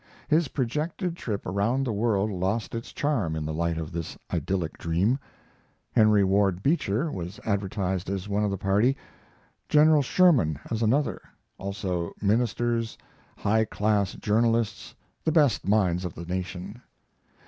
His projected trip around the world lost its charm in the light of this idyllic dream. Henry Ward Beecher was advertised as one of the party; General Sherman as another; also ministers, high class journalists the best minds of the nation.